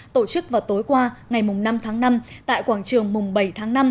tổ chức vào tối qua ngày năm tháng năm tại quảng trường mùng bảy tháng năm